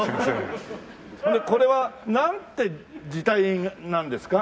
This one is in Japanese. でこれはなんて字体なんですか？